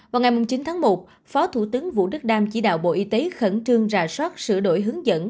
vào ngày chín tháng một phó thủ tướng vũ đức đam chỉ đạo bộ y tế khẩn trương rà soát sửa đổi hướng dẫn